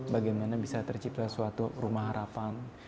bagaimana bisa tercipta suatu rumah harapan